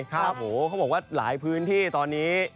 เขาบอกว่าหลายพื้นที่ตอนนี้